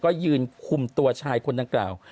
ก็ยืนคุมตัวชายคณเหล่ะ